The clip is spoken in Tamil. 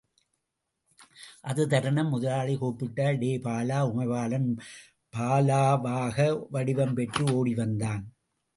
அது தருணம், முதலாளி கூப்பிட்டார் டேய் பாலா! உமைபாலன், பாலாவாக வடிவம் பெற்று ஓடி வந்தான்.